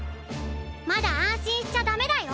まだあんしんしちゃダメだよ。